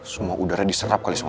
semua udara diserap kali semua